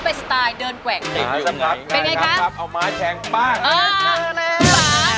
มายังไงครับ